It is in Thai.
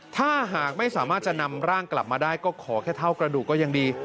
ถ้าหากไม่สามารถจะนำร่างกลับมาได้ก็ขอแค่เท่ากระดูกก็ยังดี